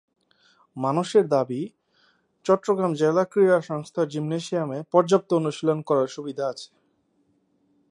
মানসের দাবি, চট্টগ্রাম জেলা ক্রীড়া সংস্থার জিমনেসিয়ামে পর্যাপ্ত অনুশীলন করার সুবিধা আছে।